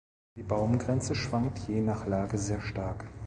Die Baumgrenze schwankt je nach Lage sehr stark.